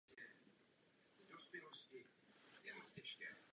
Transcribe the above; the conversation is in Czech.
Při všech akcích má Evropský parlament situaci plně pod kontrolou.